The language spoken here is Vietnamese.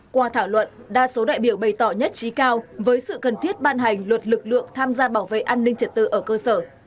qua thảo luận đa số đại biểu bày tỏ nhất trí cao với sự cần thiết ban hành luật lực lượng tham gia bảo vệ an ninh trật tự ở cơ sở